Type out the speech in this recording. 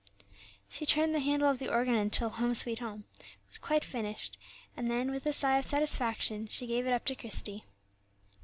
She turned the handle of the organ until "Home, sweet Home," was quite finished, and then, with a sigh of satisfaction, she gave it up to Christie.